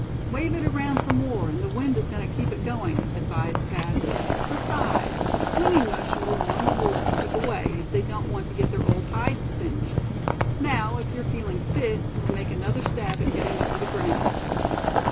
"Wave it around some more, and the wind is going to keep it going," advised Thad; "besides, the swinging motion will warn the wolves to keep away, if they don't want to get their old hides singed. Now, if you're feeling fit, we'll make another stab at getting over the ground."